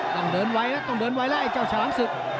ต้องเดินไวแล้วต้องเดินไวแล้วไอ้เจ้าฉลามศึก